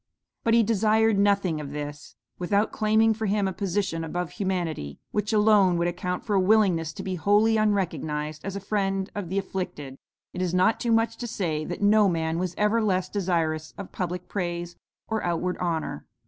"But he desired nothing of this. Without claiming for him a position above humanity, which alone would account for a willingness to be wholly unrecognized as a friend of the afflicted, it is not too much to say that no man was ever less desirous of public praise or outward honor.